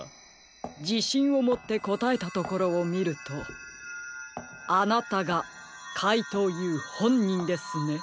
じしんをもってこたえたところをみるとあなたがかいとうＵほんにんですね！